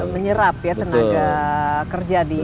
menyerap ya tenaga kerja di